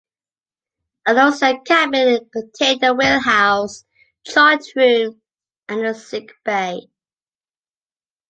A low set cabin contained the wheel-house, chart room and a sickbay.